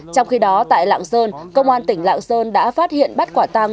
trong khi đó tại lạng sơn công an tỉnh lạng sơn đã phát hiện bắt quả tăng